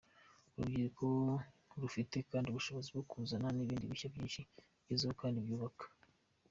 Urubyiruko rufite kandi ubushobozi bwo kuzana n’ibindi bishya byinshi bigezweho kandi byubaka.